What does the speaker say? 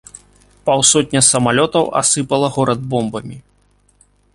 Паўсотня самалётаў асыпала горад бомбамі.